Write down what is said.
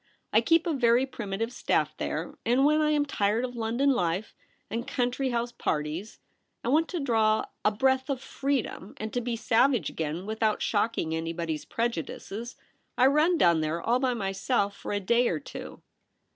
I keep a very primitive staff there, and when I am tired of London life and country house par ties, and want to draw a breath of freedom, and to be a savage again without shocking anybody's prejudices, I run down there all by myself for a day or two.'